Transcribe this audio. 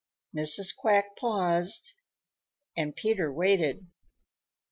Mrs. Quack paused and Peter waited.